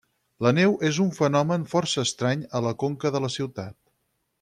La neu és un fenomen força estrany a la conca de la ciutat.